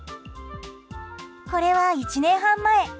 これは、１年半前。